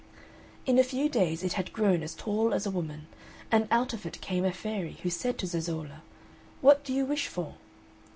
In a few days it had grown as tall as a woman, and out of it came a fairy, who said to Zezolla, "What do you wish for?"